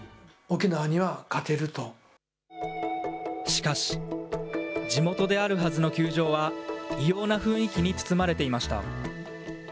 しかし、地元であるはずの球場は、異様な雰囲気に包まれていました。